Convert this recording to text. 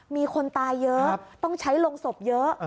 มีคนตายเยอะต้องใช้ลงศพเยอะ